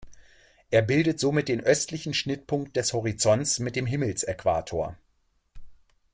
Er bildet somit den östlichen Schnittpunkt des Horizonts mit dem Himmelsäquator.